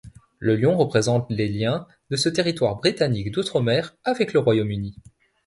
Le lion représente les liens de ce Territoire britannique d'outre-mer avec le Royaume-Uni.